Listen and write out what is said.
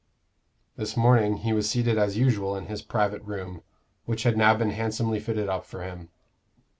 This morning he was seated as usual in his private room, which had now been handsomely fitted up for him.